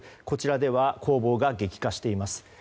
こちらでは攻防が激化しています。